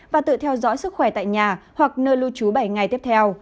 và tự theo dõi sức khỏe tại nhà hoặc nơi lưu trú bảy ngày tiếp theo